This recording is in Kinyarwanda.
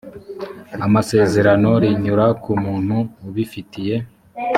amasezerano rinyura ku muntu ubifitiye